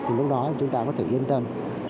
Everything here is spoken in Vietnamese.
thì lúc đó chúng ta có thể yên tâm